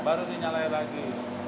baru dinyalain lagi